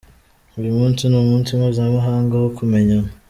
Uyu munsi ni umunsi mpuzamahanga wo kumenyana.